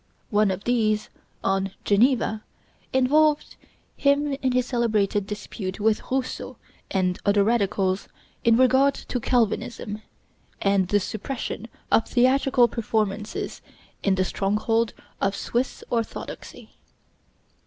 One of these, on 'Geneva,' involved him in his celebrated dispute with Rousseau and other radicals in regard to Calvinism and the suppression of theatrical performances in the stronghold of Swiss orthodoxy.